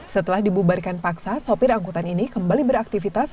setelah dibubarkan paksa sopir angkutan ini kembali beraktivitas